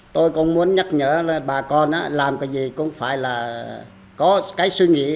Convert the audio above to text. tôi cũng muốn nhắc nhở bà con làm cái gì cũng phải là có cái suy nghĩ